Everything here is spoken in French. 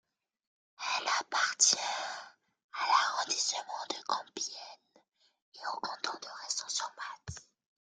Elle appartient à l'arrondissement de Compiègne et au canton de Ressons-sur-Matz.